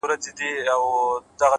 • که مرغه وو که ماهی د ده په کار وو ,